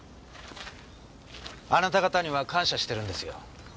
あなた方には感謝してるんですよ。